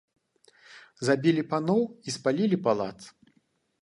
Забілі паноў і спалілі палац.